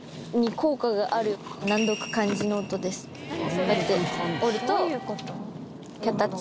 こうやって折ると。